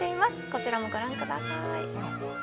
こちらもご覧ください。